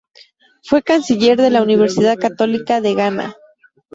Fue canciller de la Universidad Católica de Ghana.